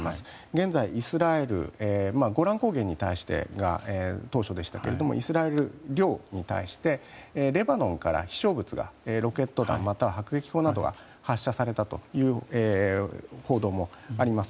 現在、イスラエルはゴラン高原が当初でしたけどイスラエル領に対してレバノンから飛翔物がロケット弾または迫撃砲などが発射されたという報道もあります。